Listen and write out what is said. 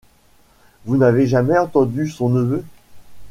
Vous n’avez jamais entendu son neveu ?